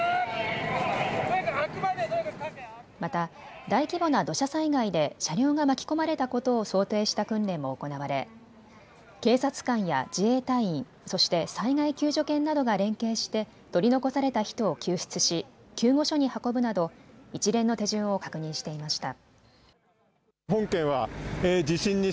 また大規模な土砂災害で車両が巻き込まれたことを想定した訓練も行われ警察官や自衛隊員、そして災害救助犬などが連携して取り残された人を救出し救護所に運ぶなど一連の手順を確認していました。